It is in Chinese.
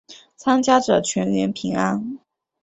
参加者全员平安。